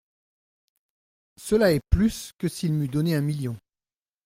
Cela est plus que s'il m'eût donné un million.